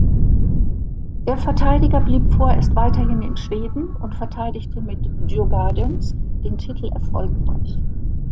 Der Verteidiger blieb vorerst weiterhin in Schweden und verteidigte mit Djurgårdens den Titel erfolgreich.